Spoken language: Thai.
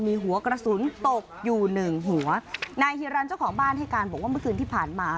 มีหัวกระสุนตกอยู่หนึ่งหัวนายฮิรันเจ้าของบ้านให้การบอกว่าเมื่อคืนที่ผ่านมา